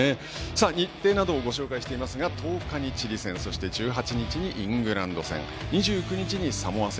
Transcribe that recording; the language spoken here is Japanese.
日程などをご紹介していますが１０日にチリ戦１８日にイングランド戦２９日にサモア戦。